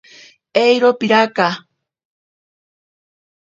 Eiro piraka.